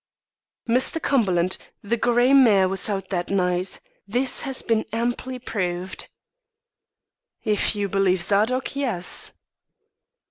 "Mr. Cumberland, the grey mare was out that night; this has been amply proved." "If you believe Zadok, yes."